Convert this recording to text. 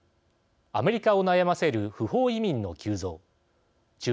アメリカを悩ませる不法移民の急増中